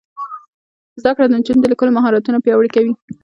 زده کړه د نجونو د لیکلو مهارتونه پیاوړي کوي.